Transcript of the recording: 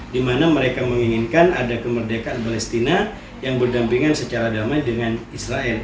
di mana mereka menginginkan ada kemerdekaan palestina yang berdampingan secara damai dengan israel